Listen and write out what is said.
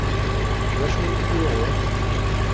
D acu ay iyi-yuɣen?